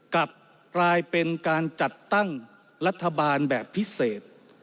กลับกลายเป็นการจัดตั้งรัฐบาลแบบพิเศษ